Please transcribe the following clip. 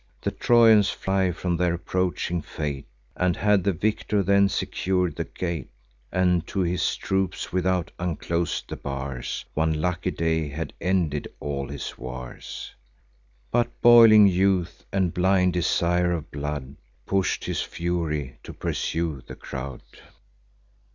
The Trojans fly from their approaching fate; And, had the victor then secur'd the gate, And to his troops without unclos'd the bars, One lucky day had ended all his wars. But boiling youth, and blind desire of blood, Push'd on his fury, to pursue the crowd.